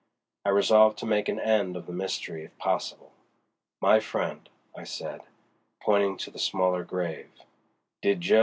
I resolved to make an end of the mystery if possible. "My friend," I said, pointing to the smaller grave, "did Jo.